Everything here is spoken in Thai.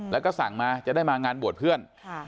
แล้วก็สั่งมาจะได้มางานบวชเพื่อน